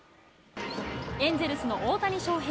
エンゼルスの大谷翔平。